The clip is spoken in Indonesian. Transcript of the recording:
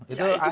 itu boleh saja